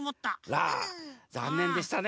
ラざんねんでしたね！